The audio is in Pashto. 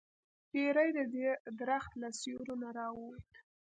پیری د درخت له سوری نه راووت.